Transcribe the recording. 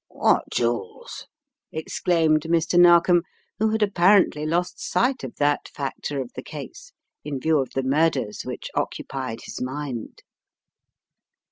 "What jewels?" exclaimed Mr. Narkom, who had apparently lost sight of that factor of the case, in view of the murders which occupied his mind.